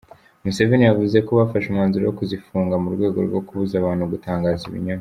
Museveni yavuze ko bafashe umwanzuro wo kuzifunga mu rwego rwo kubuza abantu gutangaza ibinyoma.